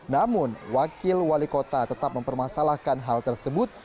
namun wakil wali kota tetap mempermasalahkan hal tersebut